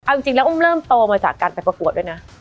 เอาจริงแล้วอุ้มเริ่มโตมาจากการไปประกวดด้วยนะ